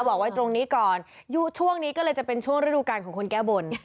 บอกไว้ตรงนี้ก่อนช่วงนี้ก็เลยจะเป็นช่วงฤดูการของคนแก้บน